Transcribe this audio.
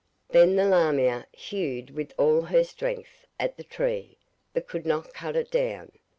Then the lamia hewed with all her strength at the tree, but could not cut it down.